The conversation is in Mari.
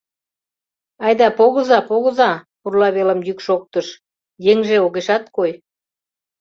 Айда погыза, погыза, — пурла велым йӱк шоктыш, еҥже огешат кой.